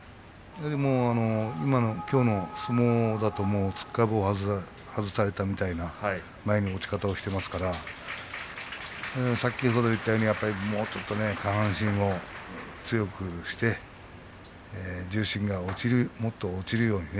きょうの相撲だとつっかい棒を外されたような落ち方をしていますから先ほど言ったようにもうちょっと下半身を強くして重心がもっと落ちるように。